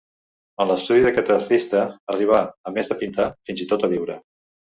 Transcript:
En l'estudi d'aquest artista arribarà -a més de pintar- fins i tot a viure.